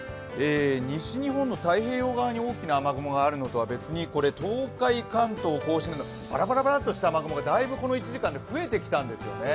西日本の太平洋側に大きな雨雲があるのとは別に東海、関東、甲信ばらばらばらっとした雨雲がこの１時間で増えてきたんですよね